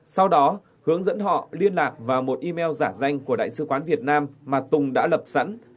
sau đó hướng dẫn họ liên lạc vào một email giả danh của đại sứ quán việt nam mà tùng đã lập sẵn